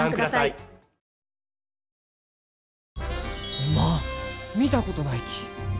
おまん見たことないき。